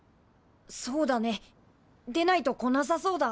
そうだねでないと来なさそうだ。